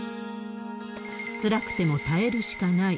つらくても耐えるしかない。